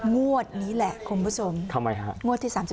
งวดนี้แหละคุณผู้ชมทำไมฮะงวดที่๓๒